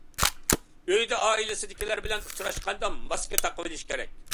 ئۆيدە ئائىلىسىدىكىلەر بىلەن ئۇچراشقاندا ماسكا تاقىۋېلىش كېرەك.